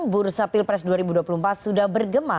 bursa pilpres dua ribu dua puluh empat sudah bergema